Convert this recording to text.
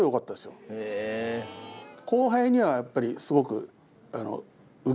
後輩にはやっぱりすごくウケがいい。